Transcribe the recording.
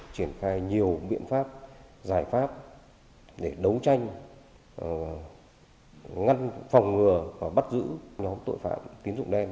triển khai nhiều biện pháp giải pháp để đấu tranh ngăn phòng ngừa và bắt giữ nhóm tội phạm tín dụng đen